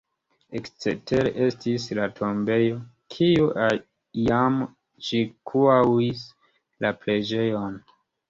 Ekstere estis la tombejo, kiu iam ĉirkaŭis la preĝejon.